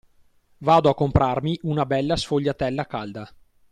Vado a comprarmi una bella sfogliatella calda.